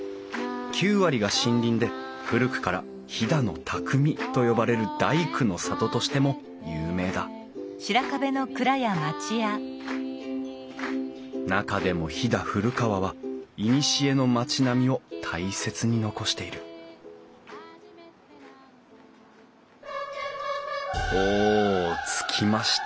９割が森林で古くから飛騨の匠と呼ばれる大工の里としても有名だ中でも飛騨古川はいにしえの町並みを大切に残しているお着きました